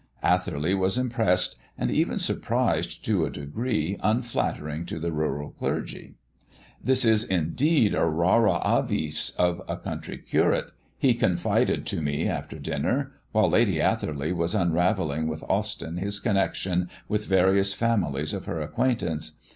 Atherley was impressed and even surprised to a degree unflattering to the rural clergy. "This is indeed a rara avis of a country curate," he confided to me after dinner, while Lady Atherley was unravelling with Austyn his connection with various families of her acquaintance.